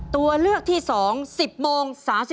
ตัวเลือกที่สอง๑๐โมง๓๙นาที